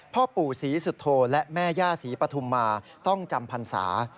พ่อปู่ศรีสุโธและแม่ย่าศรีปฐุมมาต้องจำพรรษา